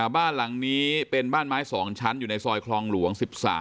บ้านหลังนี้เป็นบ้านไม้๒ชั้นอยู่ในซอยคลองหลวง๑๓